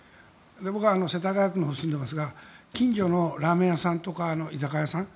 僕は世田谷区のほうに住んでいますが近所のラーメン屋さんとか居酒屋さん